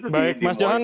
baik mas johan